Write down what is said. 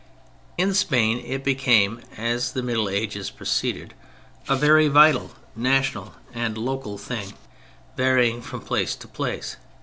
In Spain it became, as the Middle Ages proceeded, a very vital national and local thing, varying from place to place.